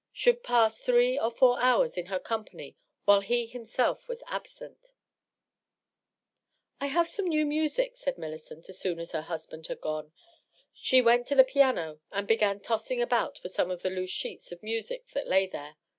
— should pass three or four hours in her company while he himself was absent !^^ I have some new music," said Millicent, as soon as her husband had gone. She went to the piano and bc^an tossing about some of the loose sheets of music that lay there.